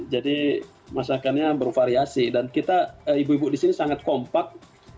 jadi masakannya bervariasi dan kita ibu ibu di sini sangat kompak